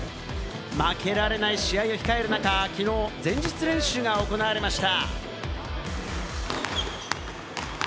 負けられない試合を控える中、きのう前日練習が行われました。